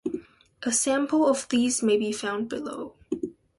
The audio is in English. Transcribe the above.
A sample of these may be found below.